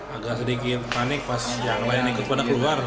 agak sedikit panik pas yang lain ikut pada keluar